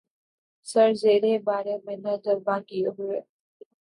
سر زیرِ بارِ منت درباں کیے ہوئے